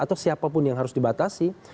atau siapapun yang harus dibatasi